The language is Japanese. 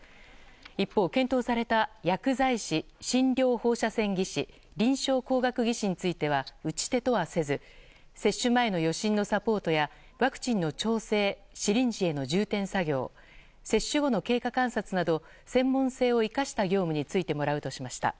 一方、検討された薬剤師診療放射線技師臨床工学技士については打ち手とはせず接種前の予診のサポートやワクチンの調整シリンジへの充填作業接種後の経過観察など専門性を生かした業務に就いてもらうとしました。